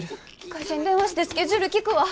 会社に電話してスケジュール聞くわ。